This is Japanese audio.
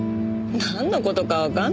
なんの事かわかんないなぁ。